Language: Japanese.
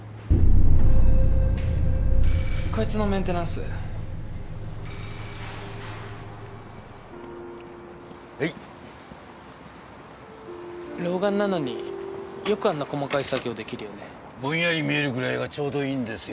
こいつのメンテナンスはい老眼なのによくあんな細かい作業できるよねぼんやり見えるぐらいがちょうどいいんですよ